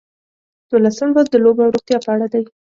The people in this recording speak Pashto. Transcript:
دولسم لوست د لوبو او روغتیا په اړه دی.